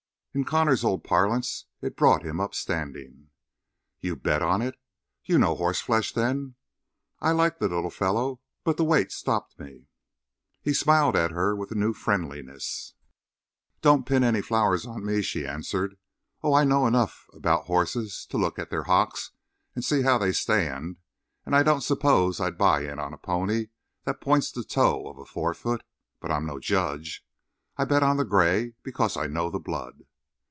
In Connor's own parlance it brought him up standing. "You bet on it? You know horse flesh, then. I like the little fellow, but the weight stopped me." He smiled at her with a new friendliness. "Don't pin any flowers on me," she answered. "Oh, I know enough about horses to look at their hocks and see how they stand; and I don't suppose I'd buy in on a pony that points the toe of a fore foot but I'm no judge. I bet on the gray because I know the blood."